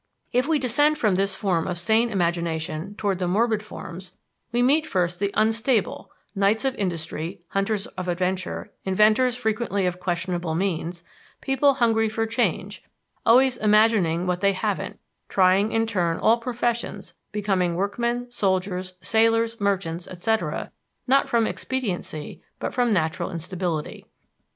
If we descend from this form of sane imagination toward the morbid forms, we meet first the unstable knights of industry, hunters of adventure, inventors frequently of questionable means, people hungry for change, always imagining what they haven't, trying in turn all professions, becoming workmen, soldiers, sailors, merchants, etc., not from expediency, but from natural instability.